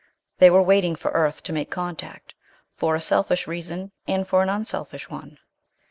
They were waiting for Earth to make contact, for a selfish reason and for an unselfish one.